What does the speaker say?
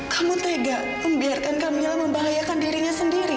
kamu tega membiarkan kamu membahayakan dirinya sendiri